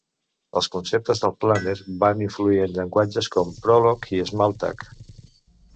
Els conceptes del Planner van influir en llenguatges com Prolog i Smalltalk.